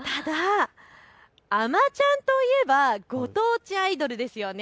あまちゃんといえば、ご当地アイドルですよね。